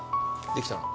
できたの？